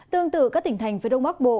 tương tự các tỉnh thành phía đông bắc bộ